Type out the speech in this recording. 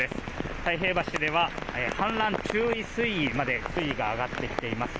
太平橋では氾濫危険水位まで水位が上がってきています。